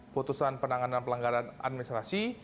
putusan penanganan pelanggaran administrasi